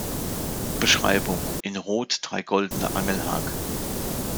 Beschreibung: In Rot drei goldene Angelhaken.